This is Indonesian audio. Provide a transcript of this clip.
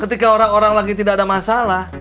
ketika orang orang lagi tidak ada masalah